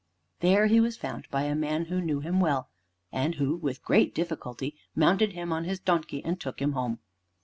There he was found by a man who knew him well, and who with great difficulty mounted him on his donkey and took him home.